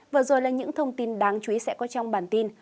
vừa rồi là những thông tin đáng chú ý sẽ có trong bản tin